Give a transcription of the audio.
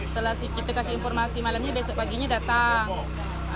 setelah kita kasih informasi malamnya besok paginya datang